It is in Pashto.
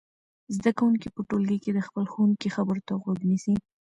زده کوونکي په ټولګي کې د خپل ښوونکي خبرو ته غوږ نیسي.